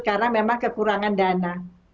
karena memang kekurangan dana